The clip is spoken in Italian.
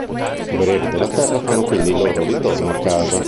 I guerrieri della Terra fanno quindi il loro ritorno a casa.